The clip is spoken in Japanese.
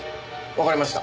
わかりました。